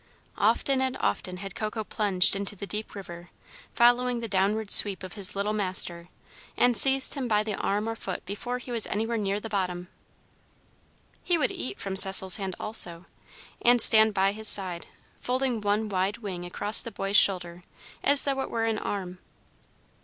Often and often had Coco plunged into the deep river, following the downward sweep of his little master, and seized him by the arm or foot before he was anywhere near the bottom. He would eat from Cecil's hand, also, and stand by his side, folding one wide wing across the boy's shoulder, as though it were an arm.